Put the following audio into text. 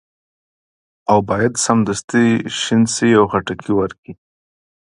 او باید سمدستي شین شي او خټکي ورکړي.